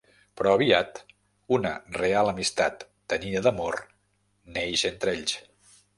Però aviat, una real amistat tenyida d'amor neix entre ells.